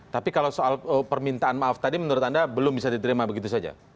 tapi kalau soal permintaan maaf tadi menurut anda belum bisa diterima begitu saja